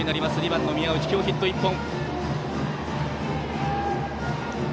２番の宮内、今日ヒット１本。